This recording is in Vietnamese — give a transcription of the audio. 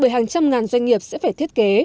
bởi hàng trăm ngàn doanh nghiệp sẽ phải thiết kế